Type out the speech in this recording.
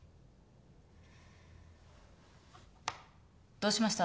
どうしました？